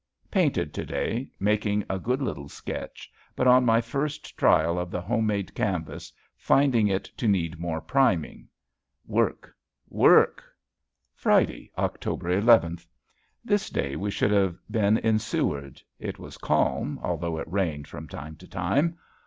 Painted to day making a good little sketch, but, on my first trial of the home made canvas, finding it to need more priming. Work! work! [Illustration: ONE OF ROCKWELL'S DRAWINGS] Friday, October eleventh. This day we should have been in Seward. It was calm although it rained from time to time.